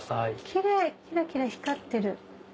キレイキラキラ光ってる。